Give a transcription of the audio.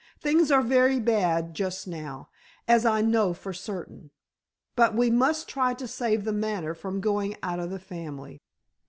Things are very bad just now, as I know for certain. But we must try to save The Manor from going out of the family."